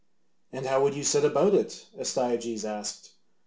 "And how would you set about it?" Astyages asked.